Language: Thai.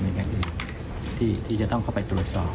อย่างอื่นที่จะต้องเข้าไปตรวจสอบ